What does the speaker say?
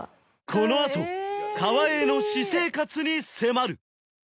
このあと川栄の私生活に迫る！